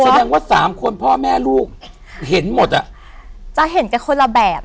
แสดงว่าสามคนพ่อแม่ลูกเห็นหมดอ่ะจะเห็นกันคนละแบบ